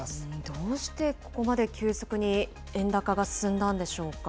どうしてここまで急速に円高が進んだんでしょうか。